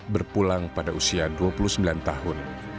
berpulang pada usia dua puluh sembilan tahun